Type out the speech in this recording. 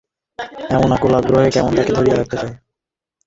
এমন আকুল আগ্রহে কেন সে তাকে ধরিয়া রাখতে চায়?